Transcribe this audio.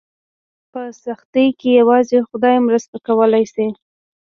په سختۍ کې یوازې خدای مرسته کولی شي.